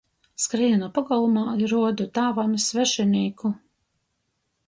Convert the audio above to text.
Skrīnu pogolmā i ruodu tāvam iz svešinīku.